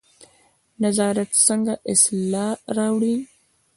نظارت څنګه اصلاح راوړي؟